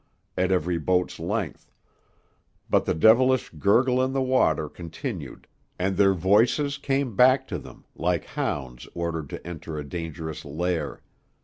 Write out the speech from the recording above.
at every boat's length; but the devilish gurgle in the water continued, and their voices came back to them, like hounds ordered to enter a dangerous lair.